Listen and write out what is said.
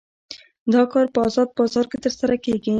دا کار په ازاد بازار کې ترسره کیږي.